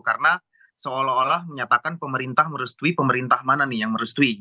karena seolah olah menyatakan pemerintah merestui pemerintah mana nih yang merestui